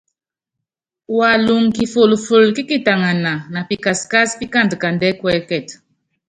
Walɔŋ kifól kí kitaŋana na pikaskás pikand kandɛɛ́ kuɛ́kɛt.